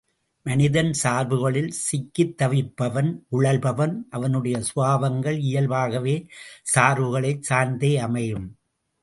மனிதன் சார்புகளில் சிக்கித்தவிப்பவன் உழல்பவன் அவனுடைய சுபாவங்கள் இயல்பாகவே சார்புகளைச் சார்ந்தே அமையும்.